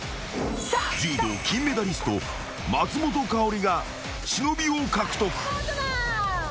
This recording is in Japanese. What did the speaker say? ［柔道金メダリスト松本薫が忍を獲得］